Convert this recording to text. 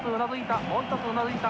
１つうなずいた。